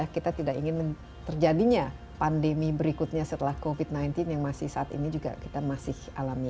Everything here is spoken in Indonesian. kita tidak ingin terjadinya pandemi berikutnya setelah covid sembilan belas yang masih saat ini juga kita masih alami